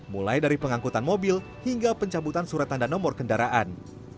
mulai dari pengangkutan mobil hingga pencabutan surat tanda nomor kendaraan